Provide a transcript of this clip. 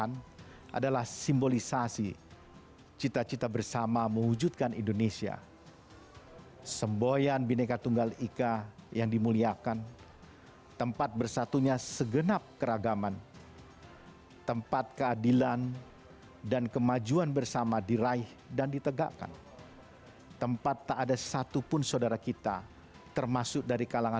pada hari ini pula rute perjalanan menjemput kembang